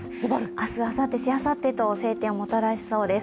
明日、あさって、しあさってと晴天をもたらしそうです。